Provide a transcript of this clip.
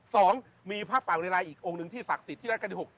สองมีพระป่าวิรัยอีกองค์หนึ่งที่ศักดิ์สิทธิ์ที่รักกันที่หก